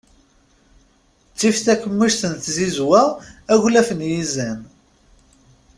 Ttif takemmict n tzizwa aglaf n yizan.